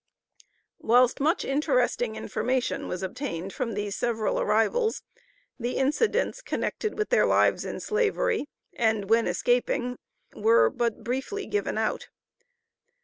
Whilst much interesting information was obtained from these several arrivals: the incidents connected with their lives in Slavery, and when escaping were but briefly written out.